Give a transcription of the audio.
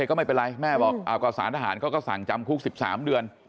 ก็ไม่เป็นไรแม่บอกก็สารทหารเขาก็สั่งจำคุก๑๓เดือน